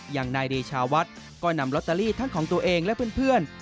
อย่างนายเดชาวัดก็นำลอตเตอรี่ทั้งของตัวเองและเพื่อน